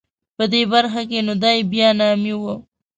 په دې برخه کې نو دای بیا نامي و.